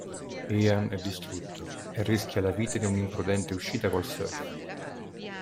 Ian è distrutto e rischia la vita in un'imprudente uscita col surf.